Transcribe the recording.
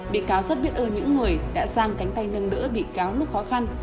bị cáo rất biết ơ những người đã giang cánh tay nâng đỡ bị cáo lúc khó khăn